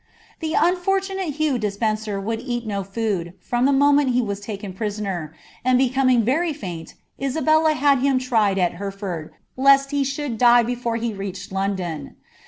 The unfortuitate Hugh Despencer would eat no food, from the mo ment he was taken prisoner, and becoming very ^int, Isabella had him tned at Hereford, lest he should die before he reached London.